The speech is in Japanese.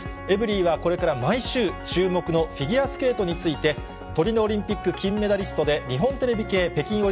エブリィはこれから毎週、注目のフィギュアスケートについて、トリノオリンピック金メダリストで日本テレビ系北京